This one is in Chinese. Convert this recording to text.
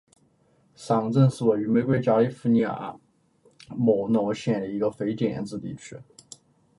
上镇是位于美国加利福尼亚州莫诺县的一个非建制地区。